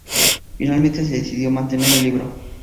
Finalmente se decidió mantener el libro.